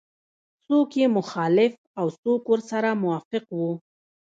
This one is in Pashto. څوک یې مخالف او څوک ورسره موافق وو.